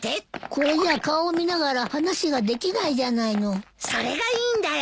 これじゃ顔を見ながら話ができないじゃないの。それがいいんだよ。